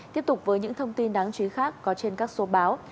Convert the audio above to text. tiếp tục với những thông tin đáng chú ý khác có trên các số báo